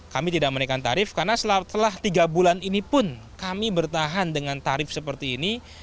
kami tidak menaikkan tarif karena setelah tiga bulan ini pun kami bertahan dengan tarif seperti ini